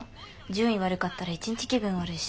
順位悪かったら一日気分悪いし。